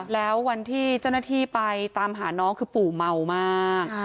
แล้ววันที่เจ้าหน้าที่ไปตามหาน้องคือปู่เมามาก